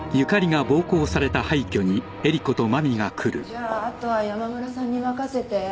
じゃああとは山村さんに任せて。